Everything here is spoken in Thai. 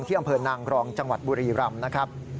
อำเภอนางรองจังหวัดบุรีรำนะครับ